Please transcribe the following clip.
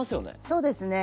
そうですね。